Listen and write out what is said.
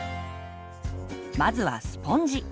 まずはスポンジ。